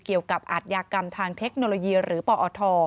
เกี่ยวกับอาทยากรรมทางเทคโนโลยีหรือปออธ